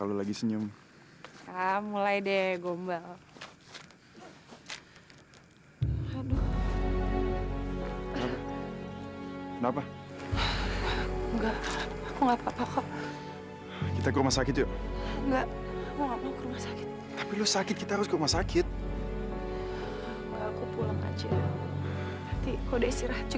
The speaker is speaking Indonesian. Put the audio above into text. anak tidak tahu diri